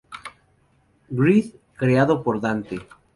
Greed, creado por Dante.